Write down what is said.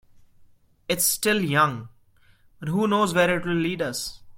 It's still young, but who knows where it will lead us.